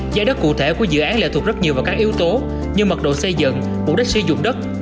giá đất cụ thể của dự án lệ thuộc rất nhiều vào các yếu tố như mật độ xây dựng mục đích sử dụng đất